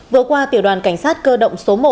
vừa qua tiểu đoàn cảnh sát cơ động số một